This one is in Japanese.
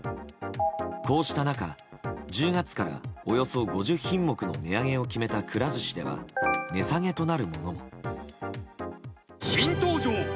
こうした中、１０月からおよそ５０品目の値上げを決めたくら寿司では値下げとなるものも。